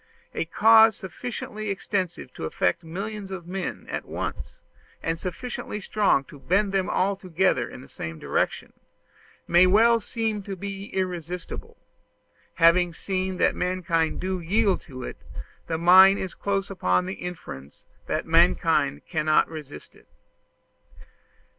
A cause sufficiently extensive to affect millions of men at once, and sufficiently strong to bend them all together in the same direction, may well seem irresistible: having seen that mankind do yield to it, the mind is close upon the inference that mankind cannot resist it.